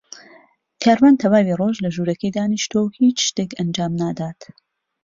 کاروان تەواوی ڕۆژ لە ژوورەکەی دانیشتووە و هیچ شتێک ئەنجام نادات.